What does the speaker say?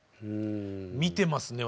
見てますね